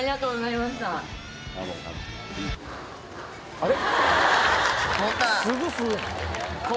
あれ？